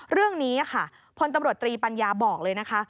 เรื่องนี้ค่ะพลตำรวจตรีปัญญาบอกเลยนะคะ